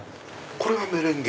これがメレンゲ。